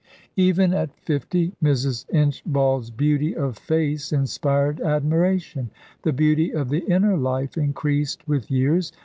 Even at fifty Mrs. Inchbald's beauty of face inspired admiration. The beauty of the inner life increased with years.